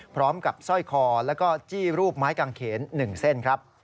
สร้อยคอแล้วก็จี้รูปไม้กางเขน๑เส้นครับ